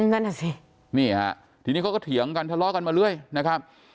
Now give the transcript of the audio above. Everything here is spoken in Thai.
นั่นอ่ะสินี่ฮะทีนี้เขาก็เถียงกันทะเลาะกันมาเรื่อยนะครับ